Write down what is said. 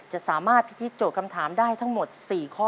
จะสามารถพิธีโจทย์คำถามได้ทั้งหมด๔ข้อ